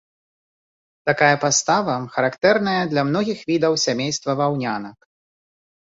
Такая пастава характэрная для многіх відаў сямейства ваўнянак.